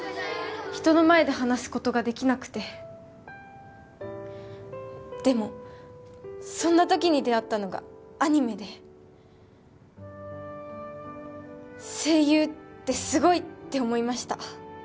人の前で話すことができなくてでもそんなときに出会ったのがアニメで声優ってすごいって思いました